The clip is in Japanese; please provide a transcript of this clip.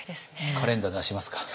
カレンダー出しますか。